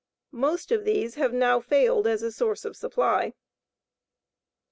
Most of these have now failed as a source of supply.